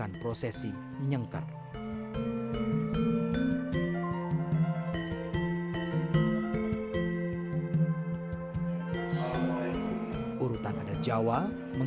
urutan anavais jawa menghamalkan